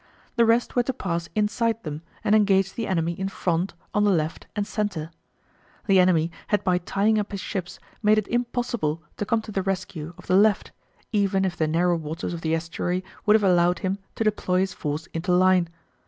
The rest were to pass inside them and engage the enemy in front, on the left, and centre. The enemy had by tying up his ships made it impossible to come to the rescue of the left, even if the narrow waters of the estuary would have allowed him to deploy his force into line.